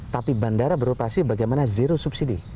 tapi bandara beroperasi bagaimana zero subsidi